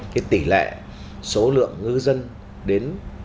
cái tỷ lệ số lượng ngư dân đến với lại bệnh xá đảo trường sa thì ngay càng đông